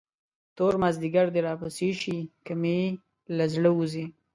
تور مازدیګر دې راپسې شي، که مې له زړه وځې.